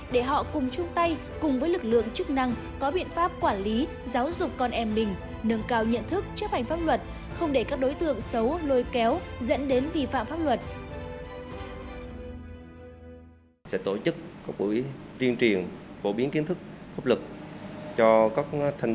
để họ cùng chung tay cùng với lực lượng chức năng có biện pháp quản lý giáo dục con em mình nâng cao nhận thức chấp hành pháp luật không để các đối tượng xấu lôi kéo dẫn đến vi phạm pháp luật